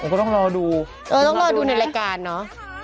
ก็ต้องรอดูเออต้องรอดูในรายการเนอะ